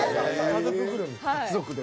家族で。